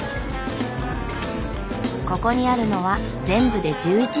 ここにあるのは全部で１１台。